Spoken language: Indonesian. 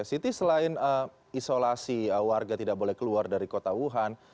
siti selain isolasi warga tidak boleh keluar dari kota wuhan